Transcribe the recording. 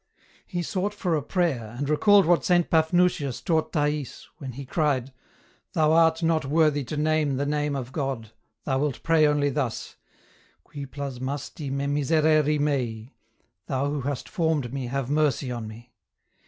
He sought for a prayer, and recalled what St. Paphnutius taught Thais, when he cried, " Thou art not worthy to name the name of God, thou wilt pray only thus :* Qui plasmasti me miserere mei ;' Thou who hast formed me have mercy on me."